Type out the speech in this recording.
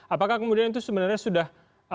apakah kemudian itu sebenarnya sudah